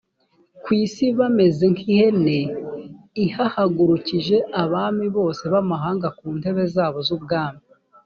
ku isi bameze nk ihene i hahagurukije abami bose b amahanga ku ntebe zabo z ubwami